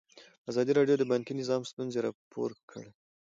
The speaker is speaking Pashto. ازادي راډیو د بانکي نظام ستونزې راپور کړي.